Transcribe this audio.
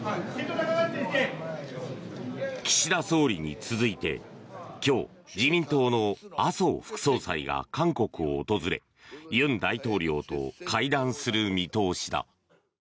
岸田総理に続いて今日、自民党の麻生副総裁が韓国を訪れ尹大統領と会談する見通しだ。